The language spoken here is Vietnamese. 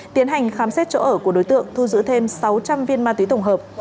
tiến hành khám xét chỗ ở của đối tượng thu giữ thêm sáu trăm linh viên ma túy tổng hợp